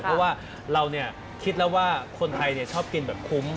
เพราะว่าเราคิดแล้วว่าคนไทยชอบกินแบบคุ้ม